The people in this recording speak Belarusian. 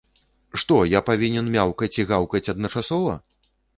Што, я павінен мяўкаць і гаўкаць адначасова?!